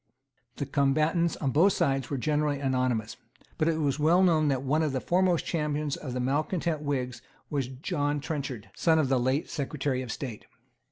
The combatants on both sides were generally anonymous. But it was well known that one of the foremost champions of the malecontent Whigs was John Trenchard, son of the late Secretary of State.